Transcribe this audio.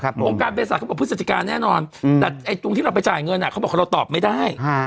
โบราณบริษัทเข้ากับพฤศจิกาแน่นอนแต่ตรงที่เราไปจ่ายเงินเขาบอกว่าเราตอบไม่ได้